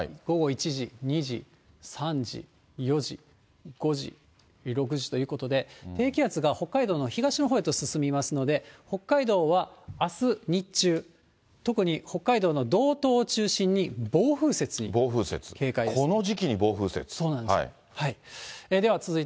午後１時、２時、３時、４時、５時、６時ということで、低気圧が北海道の東のほうへと進みますので、北海道はあす日中、特に北海道の道東を中心に暴風雪に警戒です。